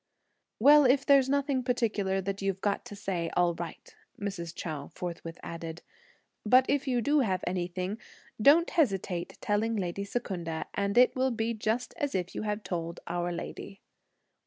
"Well, if there's nothing particular that you've got to say, all right," Mrs. Chou forthwith added, "but if you do have anything, don't hesitate telling lady Secunda, and it will be just as if you had told our lady."